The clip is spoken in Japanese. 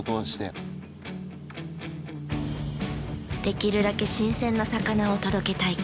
できるだけ新鮮な魚を届けたい。